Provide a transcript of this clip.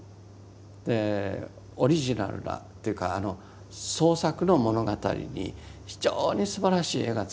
オリジナルなというか創作の物語に非常にすばらしい絵がつけてある。